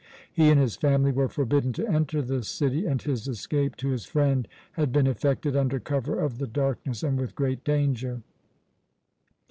He and his family were forbidden to enter the city, and his escape to his friend had been effected under cover of the darkness and with great danger.